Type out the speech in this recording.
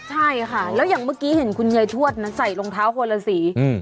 ใช่ค่ะแล้วอย่างเมื่อกี้เห็นคุณยายทวดนะใส่รองเท้าคนละสี